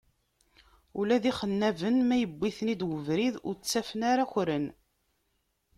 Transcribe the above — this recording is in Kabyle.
Ula d ixennaben ma yewwi-ten-id webrid, ur ttafen ara akren.